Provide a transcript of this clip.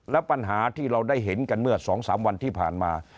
และปัญหาที่เราได้เห็นกันเมื่อ๒๓วันที่ผ่านมา